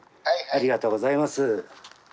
ありがとうございます。